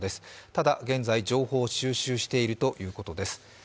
ただ現在、情報収集しているということです。